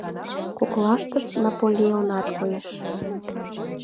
Коклаштышт «Наполеонат» коеш.